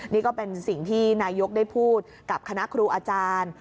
นี่ก็เป็นสิ่งที่นายกได้พูดกับคณะครูอาจารย์